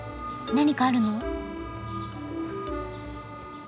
何かあるの？